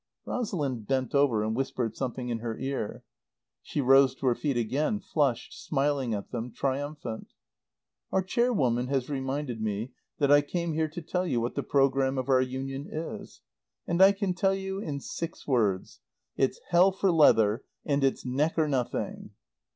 Rosalind bent over and whispered something in her ear. She rose to her feet again, flushed, smiling at them, triumphant. "Our Chairwoman has reminded me that I came here to tell you what the program of our Union is. And I can tell you in six words. It's Hell for leather, and it's Neck or nothing!"